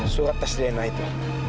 surat tes dna itu